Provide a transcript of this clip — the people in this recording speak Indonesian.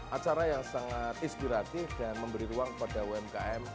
acara yang sangat inspiratif dan memberi ruang pada umkm